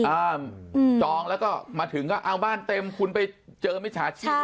อ่าจองแล้วก็มาถึงก็เอาบ้านเต็มคุณไปเจอมิจฉาชีพ